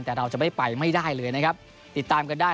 แต่เราจะไม่ไปไม่ได้เลยนะครับติดตามกันได้